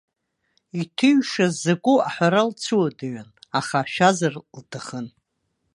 Иҭыҩшаз закәу аҳәара лцәыуадаҩын, аха ашәазар лҭахын.